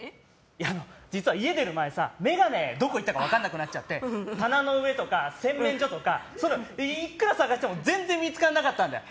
実は家出る前に眼鏡どこいったか分かんなくなっちゃって棚の上とか洗面所とかいくら探しても全然見つからないんだよ。